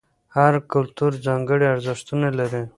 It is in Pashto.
هر کلتور ځانګړي ارزښتونه لري.